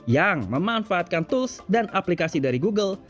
yang memanfaatkan tools dan aplikasi dari google